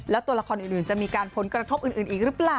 แล้วตัวละครอื่นจะมีการผลกระทบอื่นอีกหรือเปล่า